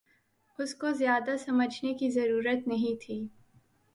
اس کو زیادہ سمجھنے کی ضرورت نہیں تھی